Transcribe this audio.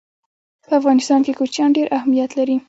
په افغانستان کې کوچیان ډېر اهمیت لري.